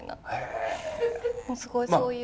すごいそういう。